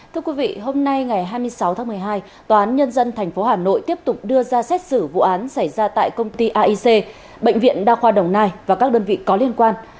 thưa quý vị hôm nay ngày hai mươi sáu tháng một mươi hai tòa án nhân dân tp hà nội tiếp tục đưa ra xét xử vụ án xảy ra tại công ty aic bệnh viện đa khoa đồng nai và các đơn vị có liên quan